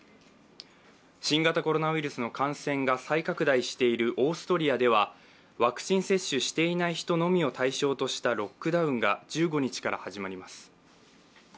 新型コロナウイルスの感染が再拡大しているオーストリアではワクチン接種していない人のみを対象としたロックダウンが１５日から始まります。